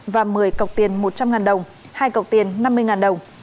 và một mươi cọc tiền một trăm linh đồng hai cọc tiền năm mươi đồng